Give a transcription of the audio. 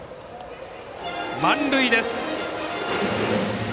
満塁です。